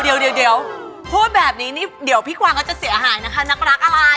เดี๋ยวพูดแบบนี้นี่เดี๋ยวพี่กวางก็จะเสียหายนะคะนักรักอะไร